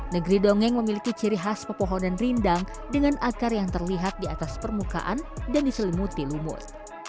negeri dongeng memiliki ciri khas pepohonan rindang dengan akar yang terlihat di atas permukaan dan diselimuti lumut